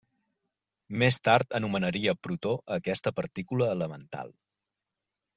Més tard anomenaria protó a aquesta partícula elemental.